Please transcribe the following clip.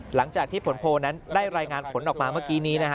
หลังจากที่ผลโพลนั้นได้รายงานผลออกมาเมื่อกี้นี้นะฮะ